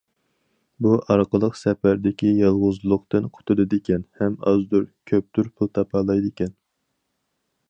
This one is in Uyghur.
بۇ ئارقىلىق سەپەردىكى يالغۇزلۇقتىن قۇتۇلىدىكەن ھەم ئازدۇر- كۆپتۇر پۇل تاپالايدىكەن.